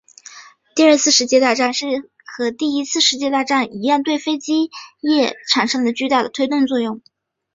第二次世界大战和第一次世界大战一样对飞机业产生了巨大的推动作用。